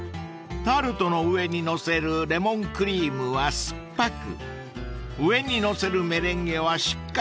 ［タルトの上に載せるレモンクリームは酸っぱく上に載せるメレンゲはしっかり甘く］